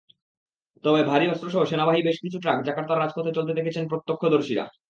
তবে ভারী অস্ত্রসহ সেনাবাহী বেশ কিছু ট্রাক জাকার্তার রাজপথে চলতে দেখেছেন প্রত্যক্ষদর্শীরা।